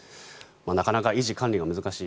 なかなか維持管理が難しい